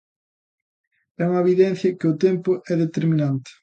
É unha evidencia que o tempo é determinante.